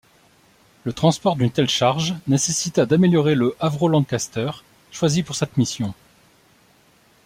Le transport d'une telle charge nécessita d'améliorer le Avro Lancaster choisi pour cette mission.